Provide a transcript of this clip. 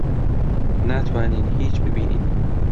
ناتوانین هیچ ببینین.